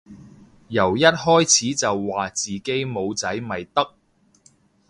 由一開始就話自己冇仔咪得